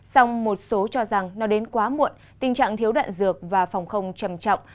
xong một số cho rằng nó đến quá muộn tình trạng thiếu đạn dược và phòng không trầm trọng